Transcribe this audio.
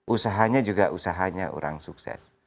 usahanya juga usahanya orang sukses